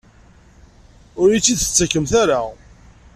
Ur iyi-tt-id-tettakemt ara?